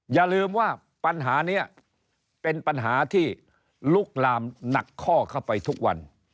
อย่าลืมว่าปัญหานี้เป็นปัญหาที่ลุกลามหนักข้อเข้าไปทุกวัน